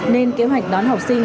nên kế hoạch đón học sinh